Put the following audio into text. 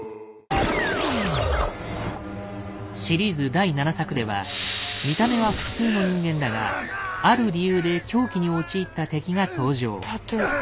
シリーズ第７作では見た目は普通の人間だがある理由で狂気に陥った敵が登場。